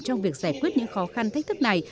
trong việc giải quyết những khó khăn thách thức này